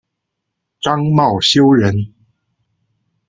张懋修人。